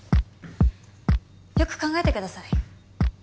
よく考えてください。